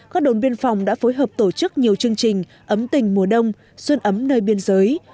các đồn biên phòng đã phối hợp tổ chức nhiều chương trình ấm tình mùa đông xuân ấm nơi biên giới